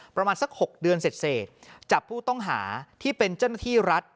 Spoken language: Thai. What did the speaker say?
ประมาณสัก๖เดือนเสร็จจับผู้ต้องหาที่เป็นเจ้าหน้าที่รัฐ